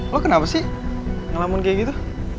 lo kenapa sih ngelamin kayak gitu